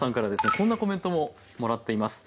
こんなコメントももらっています。